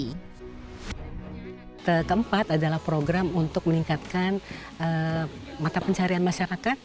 keempat adalah program untuk meningkatkan mata pencarian masyarakat